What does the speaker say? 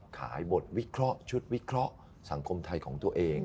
ขายบทวิเคราะห์ชุดวิเคราะห์สังคมไทยของตัวเอง